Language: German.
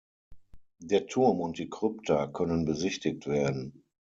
Der Turm und die Krypta können besichtigt werden.